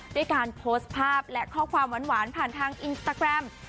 ด้วยการโพสต์ภาพและข้อความหวานผ่านทางอินสตาแกรม